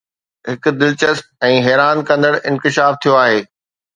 هڪ دلچسپ ۽ حيران ڪندڙ انڪشاف ٿيو آهي